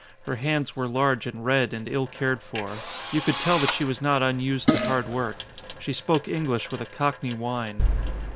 Her hands were large and red and ill cared for. You could tell that she was not unused to hard work. She •spoke English with a Cockney whine.